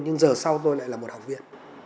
nhưng giờ sau tôi lại là một học viên